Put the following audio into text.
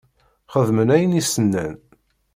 Yexdem ayen i s-nnan.